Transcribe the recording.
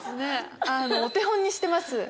あの「お手本にしてます」